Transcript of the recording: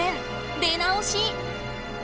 出直し！